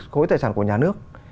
khối tài sản của nhà nước